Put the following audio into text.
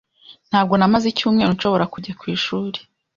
Ntabwo namaze icyumweru nshobora kujya ku ishuri.